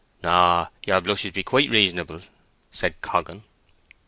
"No, yer blushes be quite reasonable," said Coggan.